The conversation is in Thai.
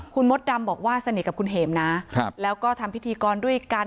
คุณมดดำบอกว่าสนิทกับคุณเห็มนะแล้วก็ทำพิธีกรด้วยกัน